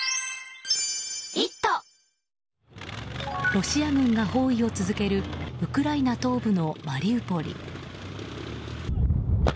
ロシア軍が包囲を続けるウクライナ東部のマリウポリ。